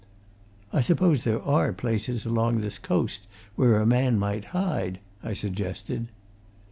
"I suppose there are places along this coast where a man might hide?" I suggested.